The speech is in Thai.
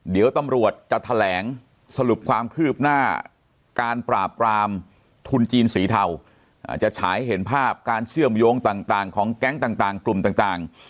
เดี๋ยวตำรวจจะแถลงสรุปความคืบหน้าการปราบรามทุนจีนสีเทาจะฉายเห็นภาพการเชื่อมโยงต่างของแก๊งต่างกลุ่มต่าง